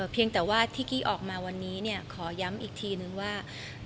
เพียงแต่ว่าที่กี้ออกมาวันนี้ขอย้ำอีกทีนึงว่า